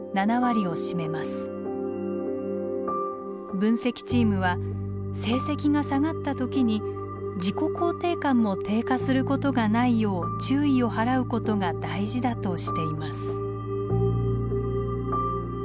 分析チームは成績が下がった時に自己肯定感も低下することがないよう注意を払うことが大事だとしています。